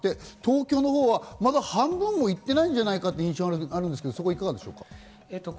東京はまだ半分もいっていないんじゃないかという印象があるんですが。